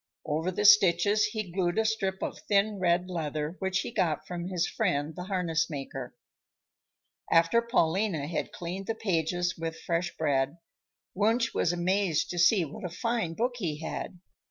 Over the stitches he glued a strip of thin red leather which he got from his friend, the harness maker. After Paulina had cleaned the pages with fresh bread, Wunsch was amazed to see what a fine book he had.